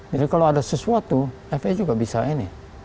jadi kalau ada sesuatu faa juga bisa ini